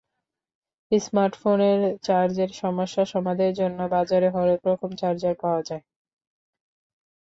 স্মার্টফোনের চার্জের সমস্যা সমাধানের জন্য বাজারে হরেক রকম চার্জার পাওয়া যায়।